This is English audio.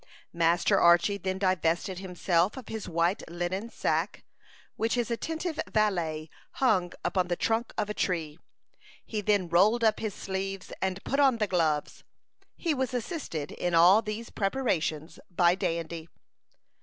Master Archy then divested himself of his white linen sack, which his attentive valet hung upon the trunk of a tree. He then rolled up his sleeves and put on the gloves. He was assisted in all these preparations by Dandy.